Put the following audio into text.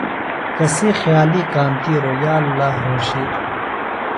کسی خیالیۡ کانتِیروۡ یااللّٰہ رھوشی تھہ۔